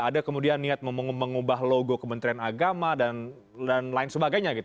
ada kemudian niat mengubah logo kementerian agama dan lain sebagainya